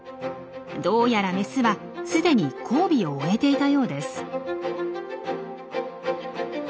どうやらメスは既に交尾を終えていたようです。